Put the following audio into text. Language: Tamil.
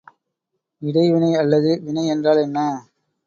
இடைவினை அல்லது வினை என்றால் என்ன?